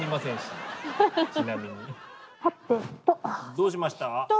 どうしました？